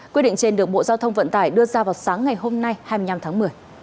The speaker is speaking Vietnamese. quyết định trên được bộ giao thông vận tải đưa ra vào sáng ngày hôm nay hai mươi năm tháng một mươi